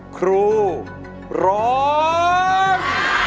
ครูร้อง